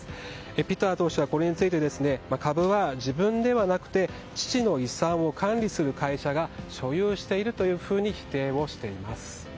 ピター党首はこれについて株は自分ではなくて父の遺産を管理する会社が所有しているというふうに否定をしています。